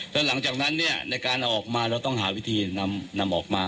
แล้วหลังจากนั้นในการออกมาเราต้องหาวิธีนำออกมา